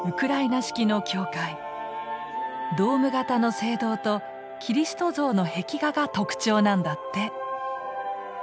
ドーム形の聖堂とキリスト像の壁画が特徴なんだって。